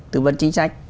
tư vấn chính sách